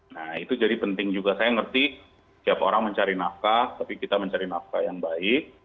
nah itu jadi penting juga saya ngerti tiap orang mencari nafkah tapi kita mencari nafkah yang baik